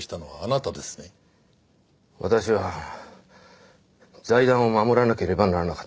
私は財団を守らなければならなかった。